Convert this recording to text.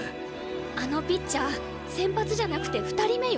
あのピッチャー先発じゃなくて２人目よ。